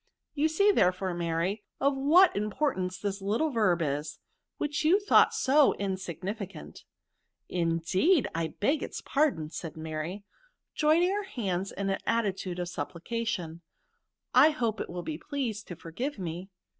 You see, therefore, Mary, of what importance this little verb is, which you thought so insignificant" Indeed ! I beg its pardon," said Mary, joining her hands in an attitude of supplica tion; *' I hope it will be pleased to forgive me.